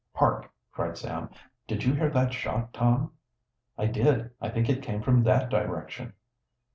"Hark!" cried Sam. "Did you hear that shot, Tom?" "I did. I think it came from that direction."